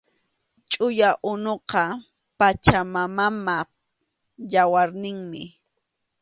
Chʼuya unuqa Pachamamap yawarninmi